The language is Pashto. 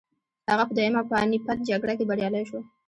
هغه په دویمه پاني پت جګړه کې بریالی شو.